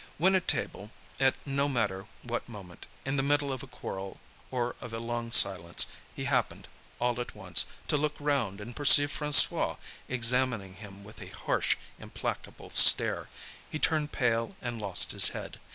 When at table at no matter what moment, in the middle of a quarrel or of a long silence he happened, all at once, to look round, and perceive François examining him with a harsh, implacable stare, he turned pale and lost his head.